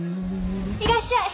いらっしゃい！